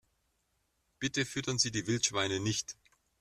Bitte füttern Sie die Wildschweine nicht!